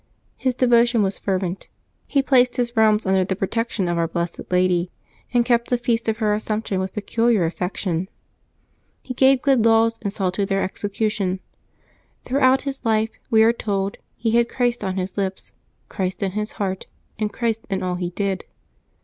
His de votion was fervent. He placed his realms under the pro tection of our blessed Lady, and kept the feast of her Assumption with peculiar affection. He gave good laws, and saw to their execution. Throughout his life, we are told, he had Christ on his lips, Christ in his heart, and Christ in all he did.